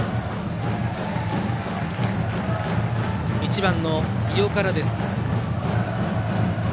１番の伊尾からです。